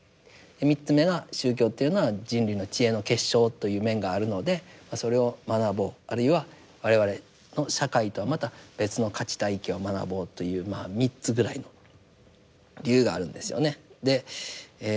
３つ目が宗教っていうのは人類の知恵の結晶という面があるのでそれを学ぼうあるいは我々の社会とはまた別の価値体系を学ぼうというまあ３つぐらいの理由があるんですよね。